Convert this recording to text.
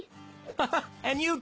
ハハハ！